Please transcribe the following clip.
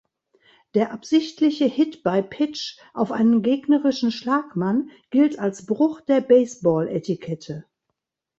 Der absichtliche Hit by Pitch auf einen gegnerischen Schlagmann gilt als Bruch der Baseball-Etikette.